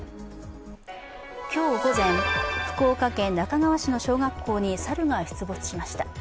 今日午前、福岡県那珂川市の小学校に猿が出没しました。